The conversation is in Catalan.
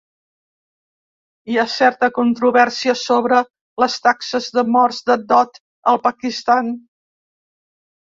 Hi ha certa controvèrsia sobre les taxes de morts de dot al Pakistan.